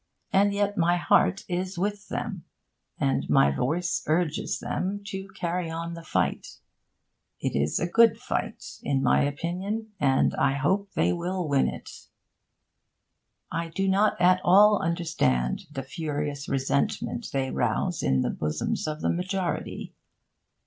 And yet my heart is with them, and my voice urges them to carry on the fight. It is a good fight, in my opinion, and I hope they will win it. I do not at all understand the furious resentment they rouse in the bosoms of the majority.